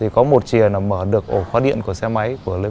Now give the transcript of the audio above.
có một chìa mở được ổ khóa điện của xe máy